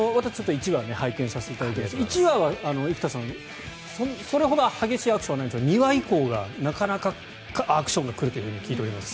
１話拝見させていただいたんですが１話は生田さん、それほど激しいアクションはないんですが２話以降がなかなかアクションが来ると聞いてます。